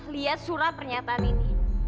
lihat surat pernyataan ini